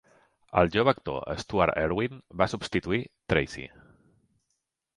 El jove actor Stuart Erwin va substituir Tracy.